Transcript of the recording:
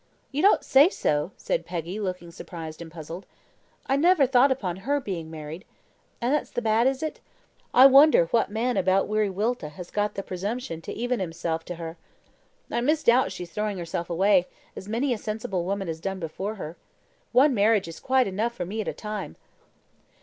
"You don't say so!" said Peggy, looking surprised and puzzled. "I never thought upon her being married. And that's the bad, is it? I wonder what man about Wiriwilta has got the presumption to even himself to her. I misdoubt she's throwing herself away, as many a sensible woman has done before her. One marriage is quite enough for me at a time."